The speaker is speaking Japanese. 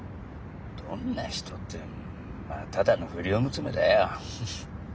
どんな人ってまあただの不良娘だよ。